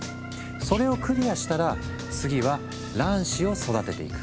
それをクリアしたら次は卵子を育てていく。